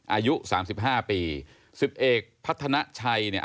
อายุ๓๕ปี